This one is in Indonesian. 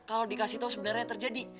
kalau dikasih tau sebenarnya yang terjadi